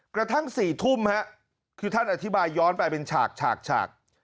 กระทั่ง๔ทุ่มคือท่านอธิบายย้อนไปเป็นฉาก